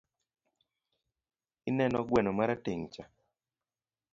Ineno gweno marateng'cha?